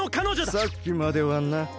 さっきまではな。